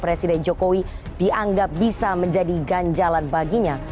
presiden jokowi dianggap bisa menjadi ganjalan baginya